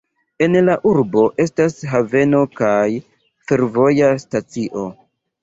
En la urbo estas haveno kaj fervoja stacio.